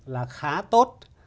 là khá tốt